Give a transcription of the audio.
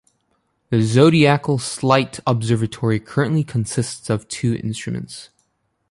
The Zodiacal Light Observatory currently consists of two instruments.